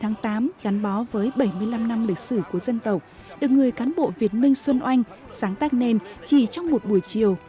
hành khúc một mươi chín tháng tám gắn bó với bảy mươi năm năm lịch sử của dân tộc được người cán bộ việt minh xuân oanh sáng tác nên chỉ trong một buổi chiều